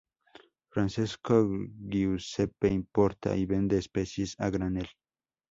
Francesco Giuseppe importa y vende especias a granel.